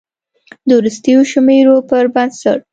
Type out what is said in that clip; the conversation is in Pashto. د وروستیو شمیرو پر بنسټ